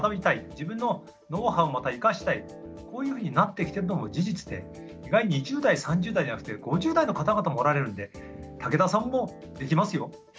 自分のノウハウをまた生かしたいこういうふうになってきてるのも事実で意外に２０代３０代じゃなくて５０代の方々もおられるんで武田さんもできますよ。